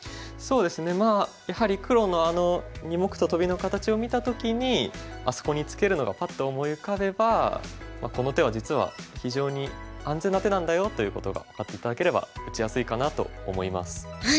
そうですねやはり黒のあの２目とトビの形を見た時にあそこにツケるのがパッと思い浮かべばこの手は実は非常に安全な手なんだよということが分かって頂ければ打ちやすいかなと思います。